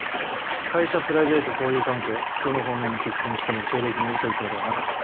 会社プライベート交友関係どの方面に聞き込みしても経歴に嘘偽りはなかった。